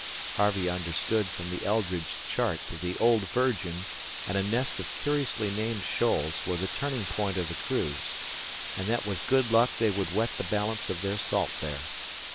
Harvey understood from the Eldridge chart that the Old Virgin and a nest of curiously named shoals were the turning point of the cruise, and that with good luck they would wet the balance of their salt there.